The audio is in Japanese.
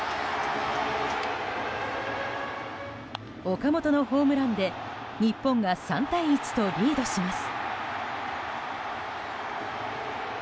岡本のホームランで日本が３対１とリードします。